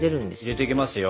入れていきますよ。